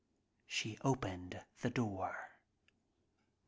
She opened the door.